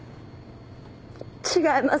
違います。